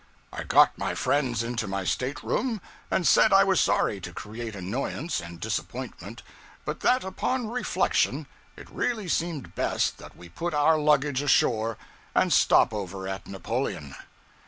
I got my friends into my stateroom, and said I was sorry to create annoyance and disappointment, but that upon reflection it really seemed best that we put our luggage ashore and stop over at Napoleon.